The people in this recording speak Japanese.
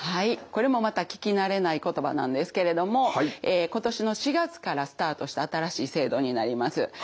これもまた聞き慣れない言葉なんですけれども今年の４月からスタートした新しい制度になります。